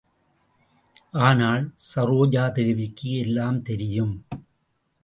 ஆனால் சரோஜாதேவிக்கு எல்லாம் தெரியும்.